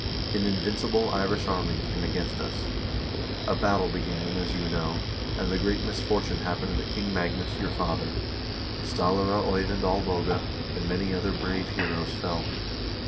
An invincible Irish army came against us ; a battle began, as you know, and the great misfortune happened that King Magnus your father, Stallare Eyvind Olboge, and many other brave heroes fell.